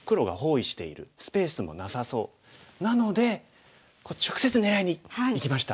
なので直接狙いにいきました。